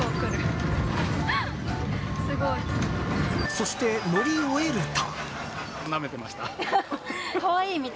そして、乗り終えると。